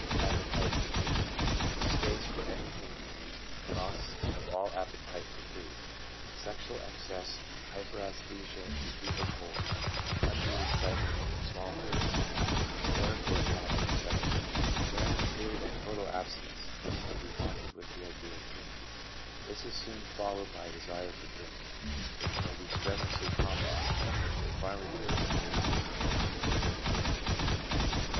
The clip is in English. appetite for food, distaste for anything to eat and loss of all appetite for food, sexual excess, hyperasthesia to heat or cold, undue excitement over small matters, hysterical attacks, etc. During a period of total abstinence he may be haunted with the idea of drink ; this is soon followed by a desire for drink, which may be strenuously combatted, but finally becomes irresistible.